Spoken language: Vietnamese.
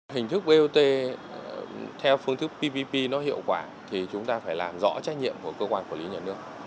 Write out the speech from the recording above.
hình thức bot theo phương thức ppp nó hiệu quả thì chúng ta phải làm rõ trách nhiệm của cơ quan quản lý nhà nước